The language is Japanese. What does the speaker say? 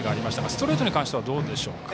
ストレートに関してはどうでしょうか？